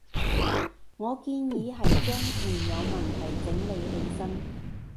我建議係將現有問題整理起身